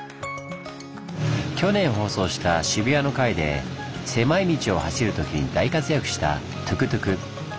去年放送した「渋谷」の回で狭い道を走るときに大活躍したトゥクトゥク。